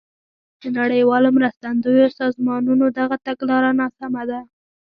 د نړیوالو مرستندویو سازمانونو دغه تګلاره ناسمه ده.